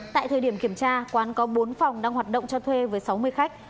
tại thời điểm kiểm tra quán có bốn phòng đang hoạt động cho thuê với sáu mươi khách